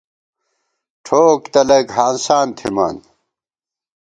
ٹھوک تلَئیک ہانسان تھِمان